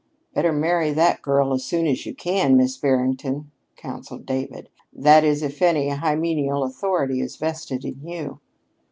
"Better marry that girl as soon as you can, Miss Barrington," counseled David; "that is, if any hymeneal authority is vested in you."